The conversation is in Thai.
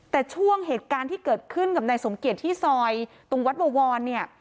แต่ช่วงเหตุการณ์ที่เกิดขึ้นกับนายสมเกียจที่ซอยตรงวัดบวรเนี่ย